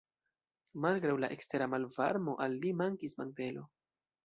Malgraŭ la ekstera malvarmo al li mankis mantelo.